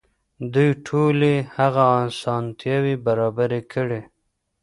دوی ټولې هغه اسانتياوې برابرې کړې.